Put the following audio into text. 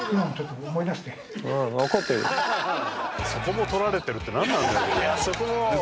そこも撮られてるって何なんだよ